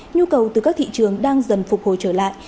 nhu cầu từ các thị trường đang dần phục hồi trở lại